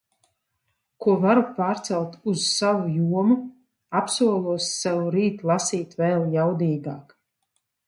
Ko varu pārcelt uz savu jomu... Apsolos sev rīt lasīt vēl jaudīgāk.